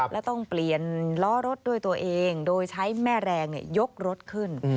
และต้องเปลี่ยนล้อรถด้วยตัวเองโดยใช้แม่แรงยกรถขึ้น